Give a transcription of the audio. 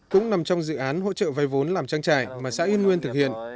cũng nằm trong dự án hỗ trợ vai vốn làm trang trải mà xã yên nguyên thực hiện